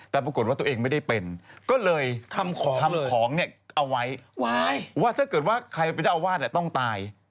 แต่ปรากฏว่าตัวเองไม่ได้เป็นก็เลยทำของเนี่ยเอาไว้ว่าถ้าเกิดว่าใครเป็นเจ้าอาวาสต้องตาย